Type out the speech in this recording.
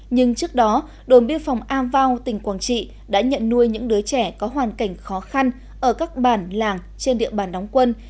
nhưng trước đó đồn biên phòng a vau tỉnh quảng trị đã nhận nuôi những đứa trẻ có hoàn cảnh khó khăn ở các bản làng trên địa bàn đóng quân